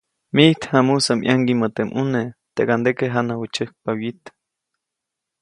‒Mijt jamusä ʼmaŋgiʼmä teʼ ʼmune, teʼkandeke janawä tsäjkpa wyit-.